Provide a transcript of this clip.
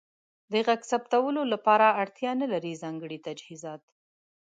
د غږ ثبتولو لپاره اړتیا نلرئ ځانګړې تجهیزات.